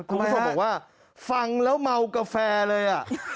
คุณผู้ชมบอกว่าฟังแล้วเมากาแฟเลย